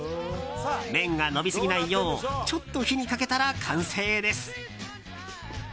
麺が伸びすぎないようちょっと火にかけたら完成です。